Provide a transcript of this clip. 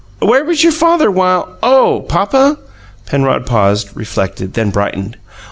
"Where was your father while " "Oh papa?" Penrod paused, reflected; then brightened.